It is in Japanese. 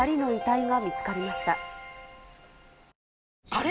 あれ？